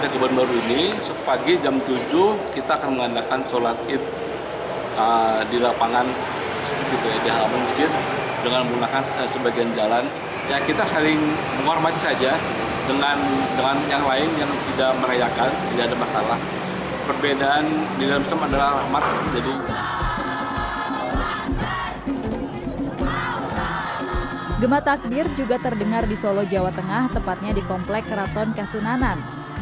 gema takbir juga terdengar di solo jawa tengah tepatnya di komplek keraton kasunanan